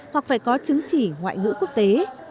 hoặc phải có chứng chỉ ngoại ngữ quốc tế